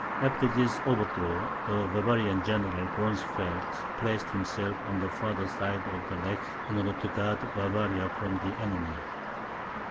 After this overthrow, the Bavarian general, Gronsfeld, placed himself on the farther side of the Lech, in order to guard Bavaria from the enemy.